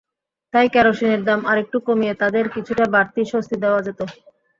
তাই কেরোসিনের দাম আরেকটু কমিয়ে তাদের কিছুটা বাড়তি স্বস্তি দেওয়া যেত।